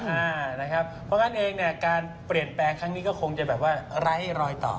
เพราะฉะนั้นเองเนี่ยการเปลี่ยนแปลงครั้งนี้ก็คงจะแบบว่าไร้รอยต่อ